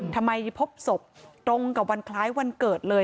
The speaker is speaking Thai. พบศพตรงกับวันคล้ายวันเกิดเลย